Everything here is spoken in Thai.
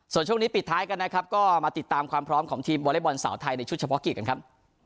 ส่วนช่วงนี้ปิดท้ายกันนะครับก็มาติดตามความพร้อมของทีมวอเล็กบอลสาวไทยในชุดเฉพาะกิจกันครับ